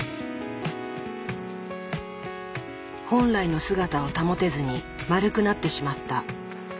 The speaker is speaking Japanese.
本来の姿を保てずに丸くなってしまった。